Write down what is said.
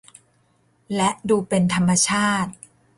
และดูเป็นธรรมชาติ